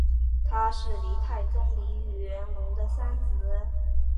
他是黎太宗黎元龙的三子。